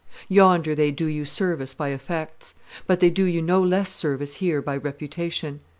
Yonder they do you service by effects; but they do you no less service here by reputation.